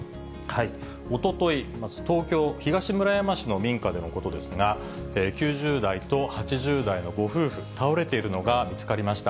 おととい、東京・東村山市の民家でのことですが、９０代と８０代のご夫婦、倒れているのが見つかりました。